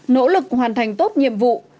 nỗ lực hoàn thành tốt nhiệm vụ